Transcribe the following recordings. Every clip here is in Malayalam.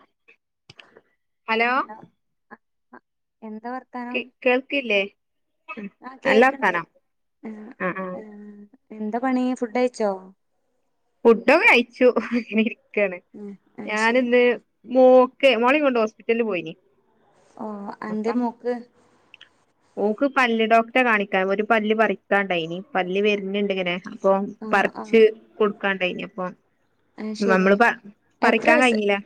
[inaudible] ഹലോ അ കേ കേൾക്ക്ല്ലേ ആ കേക്ക്ണ്ട് ആ ആഹ് ആഹ് ആ എന്താ പണി ഫുഡ് കഴിച്ചോ ഫുഡ് കയ്ച്ചു ക്കാണ്‌ ഉം അത് ശരി ഞാനിന്ന് മോ [unintelligible] മോളേം കൊണ്ട് ഹോസ്പിറ്റലില് പോയിനി ഓ എന്തേ അപ്പ മോക്ക്? ഓക്ക് പല്ല് ഡോക്ടറെ കാണിക്കാൻ ഒരു പല്ല് പറി ക്കാണ്ടായിനി പല്ല് വരുന്നിണ്ടിങ്ങനെ അപ്പൊ ആ ആ പറിച്ച് കൊടുക്കാണ്ടായിനി അപ്പം അത് ശരി നമ്മള് പ എത്ര പറിക്കാൻ വയസ്സ് കയിഞ്ഞില്ല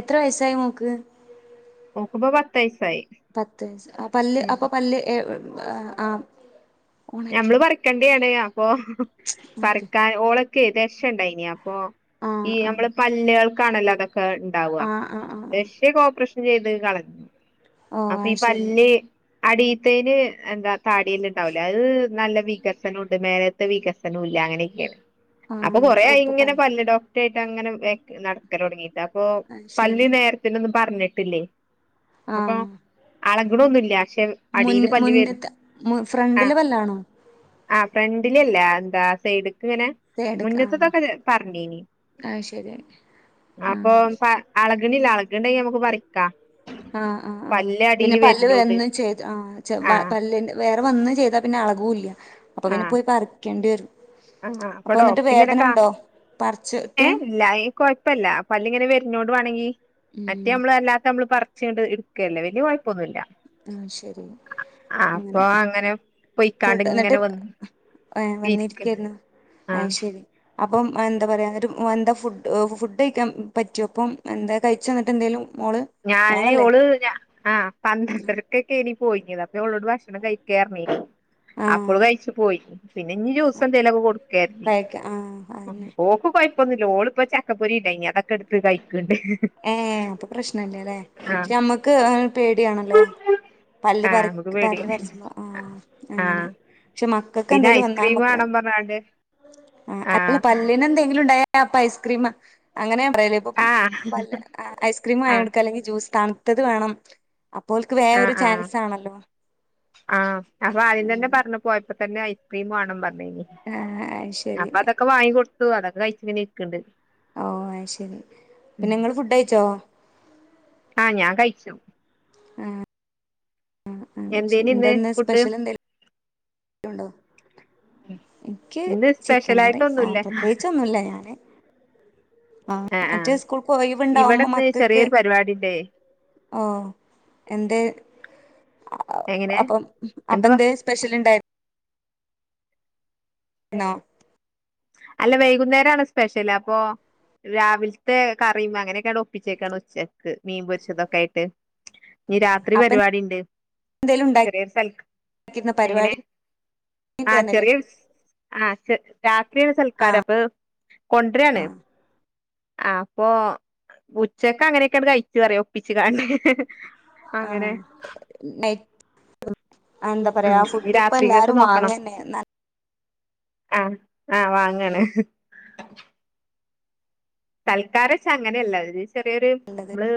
എത്ര വയസ്സായി മോക്ക് ഓക്കിപ്പം പത്തുവയസ്സ് പത്ത് വയസ്സ് അ പല്ല് അപ്പൊ പല്ല് എ വ് ആഹ് ഞമ്മള് പറിക്കേണ്ടിയാണ് അ ഇപ്പൊ ഓക്കെ പറിക്കാൻ ഓളെ ഓക്കേ ദശ ഇണ്ടായിനി അപ് അപ്പൊ ആ ഈ ആ ഞമ്മള് പല്ലുകൾക്കാണല്ലോ അട ക്ക്‌ ഇണ്ടാവാ ആ ആ ആ ആ ദശയൊക്കെ ഓപ്പറേഷൻ ചെയ്ത് കളഞ്ഞു ഓ അപ്പൊ ഈ അത് ശരി പല്ല് അടീത്തേന് എന്താ താടിയെല്ല് ഇണ്ടാവല്ലോ അത് നല്ല വികസനുണ്ട് മേലേത്തെ വികസനോല്ല അങ്ങനെയൊക്കെയാണ് ആ അപ്പൊ കൊറേ ആയി ഇങ്ങനെ പല്ല് ഡോക്ടറ ങ്ങനെ [unintelligible] നടക്കല് തൊടങ്ങീട്ട് അപ്പൊ അത് ശരി പള്ളീൽ നേരത്തിനൊന്നും പറഞ്ഞിട്ടില്ലേ ആ ആള ഇവിടൊന്നുവില്ല പക്ഷെ അടിയില് പല്ല് വെരുന്നു ണ്ടിലെ പല്ലാണോ ആ ഫ്രണ്ടിലല്ല എന്താ സൈഡ് ങ്ങനെ എടുക്ക ആഹ് മുന്നത്തതൊക്കെ പറഞ്ഞീനി അത് ശരിയായി അപ്പൊ അങ്ങനെ ആ ആളെ ണില്ല ഇളക്ണ്ടെങ്കി നമ്മക്ക് പറിക്കാ ആ ആ ആ പിന്നെ പല്ല് വന്നും ചെയ്തു ആ ച്ചെ ആ വ്വ പല്ലിന്റെ വേ വന്നു ചെയ്താ പിന്നെ അളകൂല്ല അപ്പൊ ആ പിന്നെ പോയി പറിക്കെണ്ടി വരും ആ അപ്പൊ എന്നിട്ട് വേദന ഡോക്ടറ്റ്ങ്ങനെക്കാ ഉണ്ടോ പറിച്ചിട്ട് ഏ ഇല്ല ഏ കൊഴപ്പല്ല പല്ല് ഇങ്ങനെ വര്നോട് വാണങ്കി മറ്റേ ഉം നമ്മള് അല്ലാത്ത മ്മള് പർച്ച്ങ്ങണ്ട് ഇട്ക്കല്ലേ വെല്ല്യ കൊയപ്പൊന്നുല്ല ആ ശരി അങ്ങനെ പൊയ്ക്കാണ്ട് ഫുഡ് എന്നിട്ട് ഇങ്ങനെ വന്ന് ഏഹ് വന്നിരി ഇരിക്ക ക്കേര്ന്നു ആഹ് അയ് ശരി അപ്പം എന്താ പറയ ഒരു മൊ എന്താ ഫുഡ് ഫുഡ് കഴിക്കാൻ പറ്റോപ്പം എന്താ കയിച്ചോ എന്നിട്ട് എന്തേലും മോള് ഞാന് മോളല്ലേ ഓള് രാ ആ പന്ത്രണ്ടരക്കൊക്കേനി പോയിക്കേര്ന്ന് അപ്പ ഒളോട് ഭക്ഷണം കഴിക്കേറ്ഞ്ഞീനി അപ്പോള് ആഹ് കഴിച്ച് പോയി പിന്നെ ഇഞ്ഞ് ജ്യൂസ് എന്തെലൊ കൊടുക്കേര്തി കഴിക്ക ആഹ് അതന്നെ ഓക്ക് കൊയ് പ്പൊന്നുല്ല ഓള്പ്പോ ചക്കപ്പൊരി ഇണ്ടായ്നി അതൊക്കട്ത്ത് കഴി ഏ അപ്പൊ പ്രശ്നല്ല ല്ലേ ആഹ് പക്ഷെ മ്മക്ക് പേടിയാണല്ലോ പല്ല് ആഹ് പറ നമുക്ക് പേടിയാ പല്ല് പറിച്ച ആ അങ്ങനെ ആഹ് ക്ഷേ മ കക്ക് പിന്നെ എന്തേലും വന്നാ ഐസ്ക്രീം നമ്മക്ക് വാണം പർഞ്ഞാണ്ട് ആ അല്ല ആഹ് പല്ലിനന്തേ ന്നുണ്ടായപ്പോ ഐസ്ക്രീമ് അങ്ങ പേരെപോ ആഹ് [unintelligible] ആഹ് ഐസ്ക്രീമ് ആഹ് വാങ്ങിയോട്ക്ക അല്ലെങ്കി ജൂ സ് തണ്ത്തത് വേണം അപ്പോൽക്ക് വേം ആഹ് ഒരു ആഹ് ചാൻസ് ആണല്ലോ ആഹ് അപ്പൊ ആദ്യം തന്നെ അങ്ങനെ പറഞ്ഞു പോയപ്പോ തന്നെ ഐസ്ക്രീമ് വാണം [unintelligible] ആഹ് അത് ശരി അപ്പ അതൊക്കെ വാങ്ങി കൊട് ട്തു അതൊക്കെ കയിച്ങ്ങനെ ഇര്ക്ക്‌ണ് ണ്ട് ഓഹ് ഐശെരി പിന്നെങ്ങള് ഫുഡൈച്ചോ ആഹ് ഞാൻ കഴിച്ചു ആഹ് ആഹ് ശരി എന്തേന് ഇന്ന് ഫുഡ് ലുണ്ടോ എനിക്ക് ഇന്ന് ചിക്കൻ കറി ആ സ്പെഷ്യലായിട്ടൊന്നുല്ല പ്രത്യേകിച്ച ഒന്നുല്ല ഞാന് ആ ആഹ ആഹ മറ്റേ സ്കൂൾക്ക് ഒഴിവുണ്ടാവുമ്പോ ഇവിടെന്ന് മക്കൾക്ക് ചെറിയൊരു പരിപാടിണ്ടേ? ഓ എന്തേ അ എങ്ങനെ അപ്പം എന്താ അപ്പന്തേ സ്പെഷ്യൽണ്ടായി രുന്നോ അല്ല വൈകുന്നേരണ് സ്പെഷ്യല് അപ്പൊ രാവിലത്തെ കറിയ അങ്ങനെയൊക്കെയ ഒപ്പിച്ചേക്കാണ് ഉച്ചക്ക് മീൻ പൊരിച്ചതൊക്കെ ആയിട്ട് നീ രാത്രി അപ്പ പരിപാടി ഉണ്ട് എന്തേലും ചെറിയൊരു സൽ ഉണ്ടാക്കിയിരുന്നോ എങ്ങനെ പരിപാടി ആ കഴിഞ്ഞിട്ടാന്നല്ലേ ചെറിയ ആ [unintelligible] [unintelligible] ആ സൽക്കാര അപ്പൊ കൊണ്ടരയാണ് ആ അ അപ്പൊ ഉച്ചക്കെ അങ്ങനെയൊക്കെയാണ്ട് കഴിച്ചു പറയാ ഒപ്പിച്ചങ്ങാണ്ട് ആ നയ് [unintelligible] അഎന്താ ഉം പറയാ ഈ ഫുഡ് ഇപ്പ എല്ലാരും വാങ്ങന്നെ എന്നാ ആ ആ വാങ്ങാണ് സൽക്കാരച്ച അങ്ങന അല്ല ചെറിയൊരു നല്ലത് നമ്മള്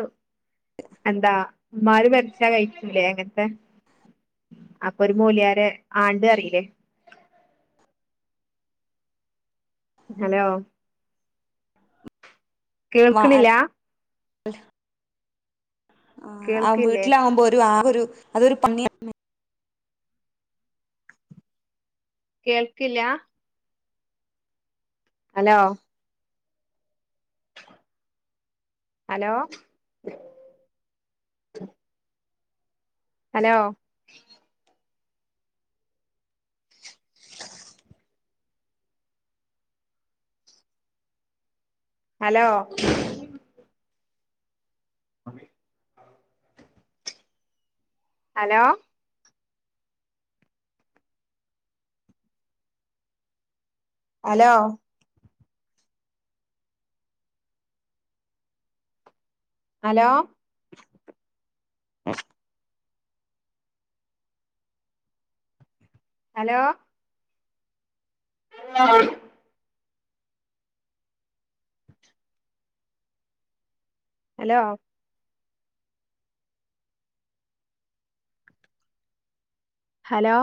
എന്താ ഉമ്മാര് മരിച്ചാ കഴിച്ചൂലേ അങ്ങനത്തെ അപ്പൊ ഒരു മൂലിയാരെ ആണ്ട് അറിയില്ലേ ഹലോ വാ- കേൾക്ക്ണില്ലാ ആ അവ വീട്ടിലാകുമ്പോ ഒരു ആ ഒരു അതൊരു പന്നിയ കേൾക്കില്ല ഹലോ ഹലോ ഹലോ ഹലോ അതെ hello hello hello hello [unintelligible] hello hello